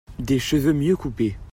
Des cheveux mieux coupés.